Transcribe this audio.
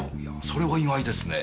それは意外ですね。